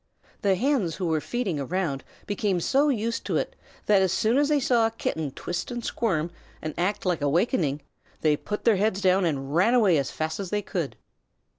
The Hens who were feeding around became so used to it that as soon as they saw a Kitten twist and squirm, and act like awakening, they put their heads down and ran away as fast as they could.